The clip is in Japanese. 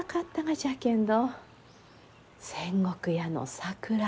仙石屋の桜